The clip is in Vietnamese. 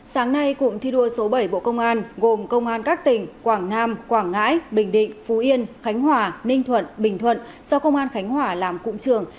sáng nay cụm thi đua số bảy bộ công an gồm công an các tỉnh quảng nam quảng ngãi bình định phú yên khánh hòa ninh thuận bình thuận do công an khánh hòa làm cụm trường